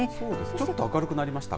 ちょっと明るくなりましたか。